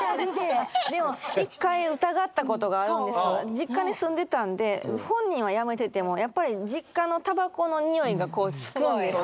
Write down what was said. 実家に住んでたんで本人はやめててもやっぱり実家のタバコの臭いがこうつくんですよね。